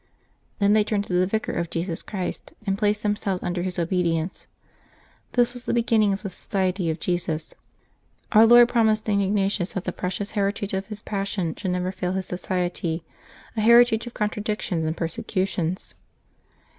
Then they turned to the Vicar of Jesus Christ, and placed themselves under his obedi ence. This was the beginning of the Society of Jesus. Our Lord promised St. Ignatius that the precious heritage of His Passion should never fail his .Society, a heritage of contradictions and persecutions.